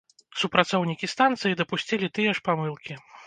Супрацоўнікі станцыі дапусцілі тыя ж памылкі.